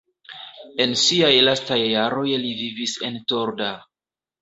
En siaj lastaj jaroj li vivis en Torda.